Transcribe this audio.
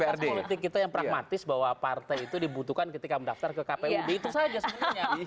dasar politik kita yang pragmatis bahwa partai itu dibutuhkan ketika mendaftar ke kpud itu saja sebenarnya